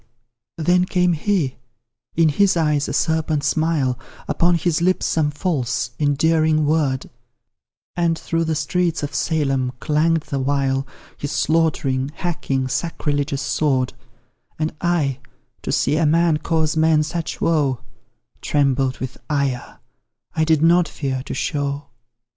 Then came he in his eyes a serpent smile, Upon his lips some false, endearing word, And through the streets of Salem clang'd the while His slaughtering, hacking, sacrilegious sword And I, to see a man cause men such woe, Trembled with ire I did not fear to show.